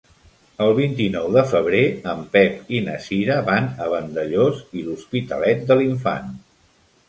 El vint-i-nou de febrer en Pep i na Cira van a Vandellòs i l'Hospitalet de l'Infant.